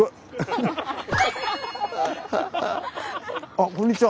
あこんにちは。